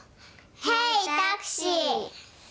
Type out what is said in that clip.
ヘイタクシー！